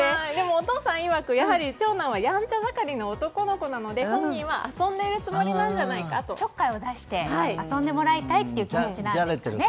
お父さんいわく、長男はやんちゃ盛りの男の子なので本人は遊んでいるつもりなのではちょっかいを出して遊んでもらいたいという気持ちなんですかね。